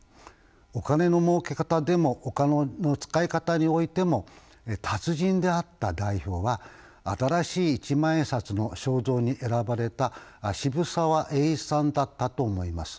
お金の儲け方でもお金の使い方においても達人であった代表は新しい１万円札の肖像に選ばれた渋沢栄一さんだったと思います。